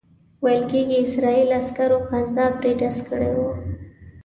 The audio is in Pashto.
ویل کېږي اسرائیلي عسکرو قصداً پرې ډز کړی وو.